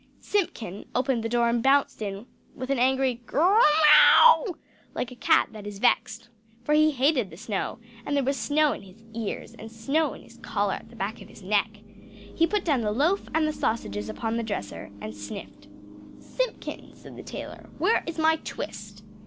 Simpkin opened the door and bounced in, with an angry "G r r miaw!" like a cat that is vexed: for he hated the snow, and there was snow in his ears, and snow in his collar at the back of his neck. He put down the loaf and the sausages upon the dresser, and sniffed. "Simpkin," said the tailor, "where is my twist?"